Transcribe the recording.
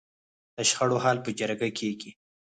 د شخړو حل په جرګه کیږي؟